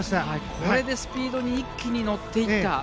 これでスピードに一気に乗っていった。